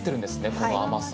この甘さ。